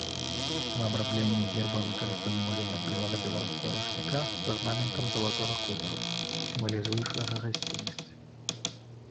У абрамленні герба выкарыстаны малюнак белага беларускага ручніка з арнаментам залатога колеру, сімвалізуючага гасціннасць.